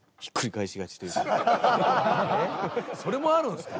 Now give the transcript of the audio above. それもあるんですか？